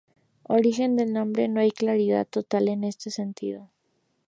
Origen del nombre: No hay claridad total en este sentido.